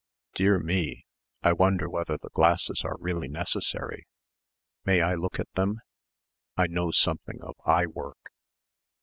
"Dear me ... I wonder whether the glasses are really necessary.... May I look at them?... I know something of eye work."